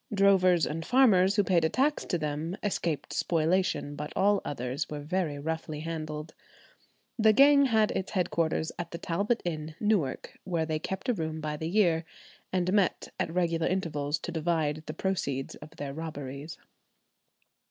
Drovers and farmers who paid a tax to them escaped spoliation; but all others were very roughly handled. The gang had its headquarters at the Talbot Inn, Newark, where they kept a room by the year, and met at regular intervals to divide the proceeds of their robberies.